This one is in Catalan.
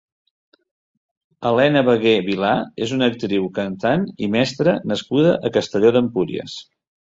Helena Bagué Vilà és una actriu, cantant i mestra nascuda a Castelló d'Empúries.